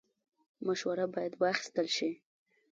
مشوره باید واخیستل شي